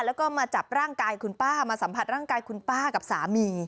แล้วก็มาจับร่างกายคุณป้ามาสัมผัสร่างกายคุณป้ากับสามี